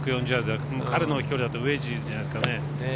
彼の飛距離だとウエッジじゃないですかね。